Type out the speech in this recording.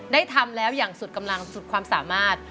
ได้ทำแล้วอย่างสุดกำลังสุดความสามารถ